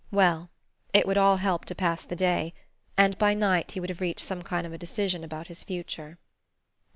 Well, it would all help to pass the day and by night he would have reached some kind of a decision about his future.